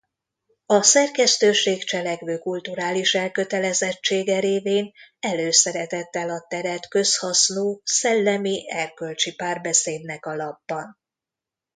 A szerkesztőség cselekvő kulturális elkötelezettsége révén előszeretettel ad teret közhasznú szellemi-erkölcsi párbeszédnek a lapban.